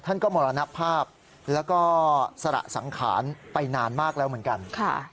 ท่านก็มรณภาพแล้วก็สระสังขารไปนานมากแล้วเหมือนกัน